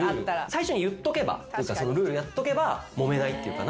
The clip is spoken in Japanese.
最初に言っとけばそのルールやっとけばもめないっていうか。